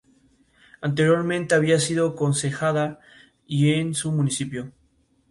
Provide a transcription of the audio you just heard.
Anteriormente había sido concejala y en su municipio.